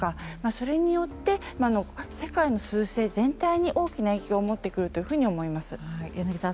それによって世界全体に影響を持ってくると思います。